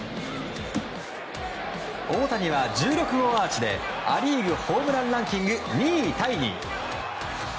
大谷は１６号アーチでア・リーグホームランランキング２位タイに。